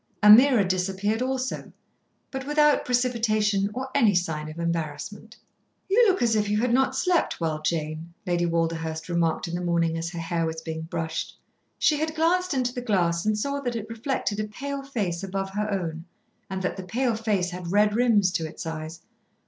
Ameerah disappeared also, but without precipitation or any sign of embarrassment. "You look as if you had not slept well, Jane," Lady Walderhurst remarked in the morning as her hair was being brushed. She had glanced into the glass and saw that it reflected a pale face above her own, and that the pale face had red rims to its eyes.